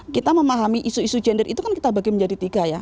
kita memahami isu isu gender itu kan kita bagi menjadi tiga ya